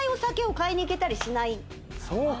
そうか。